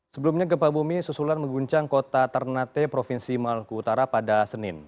sebelumnya gempa bumi susulan mengguncang kota ternate provinsi maluku utara pada senin